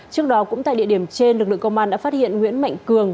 trước đó cũng tại địa điểm trên lực lượng công an đã phát hiện nguyễn mạnh cường